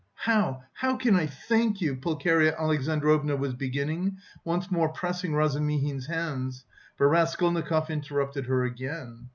"How, how can I thank you!" Pulcheria Alexandrovna was beginning, once more pressing Razumihin's hands, but Raskolnikov interrupted her again.